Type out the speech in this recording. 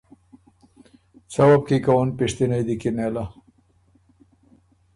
څۀ وه بو کی که اُن پِشتِنئ دی کی نېله۔